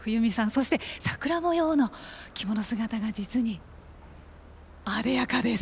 そして、桜模様の着物姿が実にあでやかです。